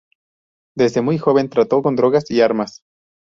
Desde muy joven trató con drogas y armas.